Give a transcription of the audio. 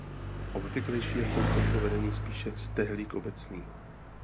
Obvyklejší je v tomto provedení spíše stehlík obecný.